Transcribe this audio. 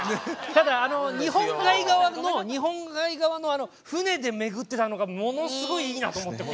ただあの日本海側の日本海側のあの船で巡ってたのがものすごいいいなと思って僕。